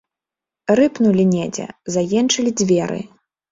Рыпнулі недзе, заенчылі дзверы.